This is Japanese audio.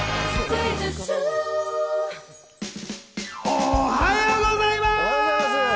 おはようございます！